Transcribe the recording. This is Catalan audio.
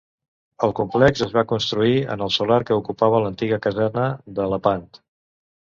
El complex es va construir en el solar que ocupava l'antiga caserna de Lepant.